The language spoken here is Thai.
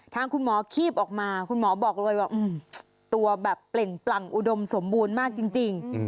ทางคุณหมอคีบออกมาคุณหมอบอกเลยว่าตัวแบบเปล่งปลั่งอุดมสมบูรณ์มากจริง